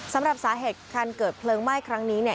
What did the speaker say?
สำหรับสาเหตุการเกิดเพลิงไหม้ครั้งนี้เนี่ย